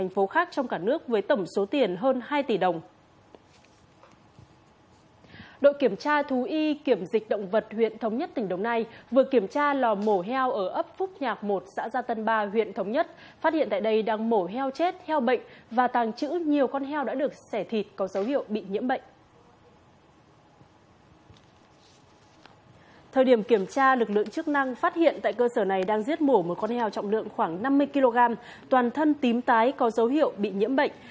phát hiện tại cơ sở này đang giết mổ một con heo trọng lượng khoảng năm mươi kg toàn thân tím tái có dấu hiệu bị nhiễm bệnh